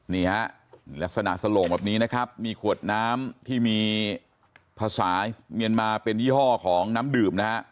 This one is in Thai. นี่ฮะลักษณะสโหลงแบบนี้นะครับมีขวดน้ำที่มีภาษาเมียนมาเป็นยี่ห้อของน้ำดื่มนะฮะ